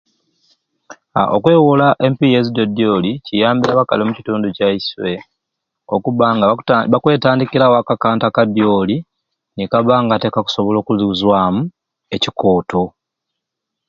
Aa okwewola empiiya ezidyodyoli kiyambire abakali okutundu kyaiswe okubba nga bakuta bakwetandikirawo akantu akadyoli nikabba nga te kakusobola okuzwamu ekikooto